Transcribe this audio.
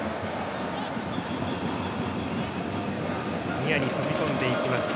ニアに飛び込んでいきました